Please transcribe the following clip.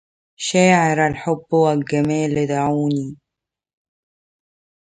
شاعر الحب والجمال دعوني